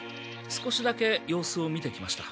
少しだけ様子を見てきました。